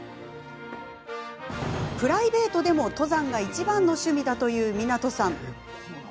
プライベートでも、登山がいちばんの趣味だという湊さん。